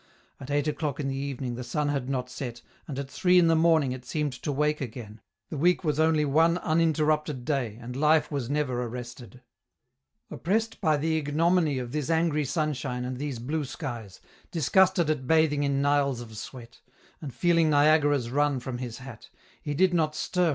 At eight o'clock in the evening the sun had not set, and at three in the morning it seemed to wake again ; the week was only one uninterrupted day, and life was never arrested. Oppressed by the ignominy of this angry sunshine and these blue skies, disgusted at bathing in Niles of sweat, and feeling Niagaras run from his hat, he did not stir EN ROUTE.